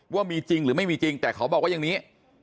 ว่ามีจริงหรือไม่มีจริงแต่เขาบอกว่าอย่างนี้